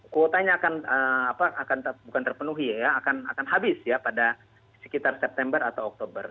kuotanya akan bukan terpenuhi ya akan habis ya pada sekitar september atau oktober